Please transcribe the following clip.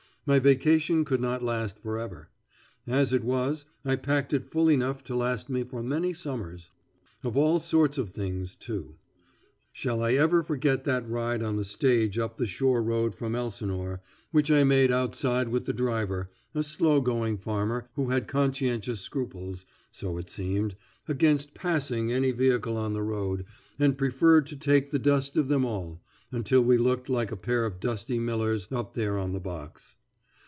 My vacation could not last forever. As it was, I packed it full enough to last me for many summers. Of all sorts of things, too. Shall I ever forget that ride on the stage up the shore road from Elsinore, which I made outside with the driver, a slow going farmer who had conscientious scruples, so it seemed, against passing any vehicle on the road and preferred to take the dust of them all, until we looked like a pair of dusty millers up there on the box.